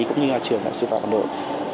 cũng như trường đạo sư phạm quân đội